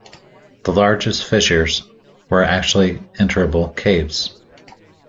The largest fissures were actually enterable caves.